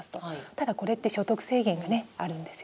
ただこれって所得制限があるんですよね。